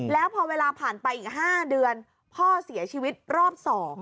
แล้วพอเวลาผ่านไปอีก๕เดือนพ่อเสียชีวิตรอบ๒